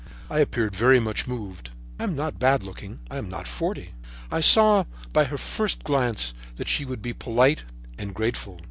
I appeared very much moved. I am not bad looking, I am not forty. I saw by her first glance that she would be polite and grateful.